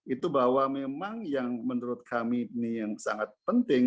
itu bahwa memang yang menurut kami ini yang sangat penting